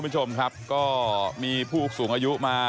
เชิงมีผู้สูงอายุมาเลยนะครับ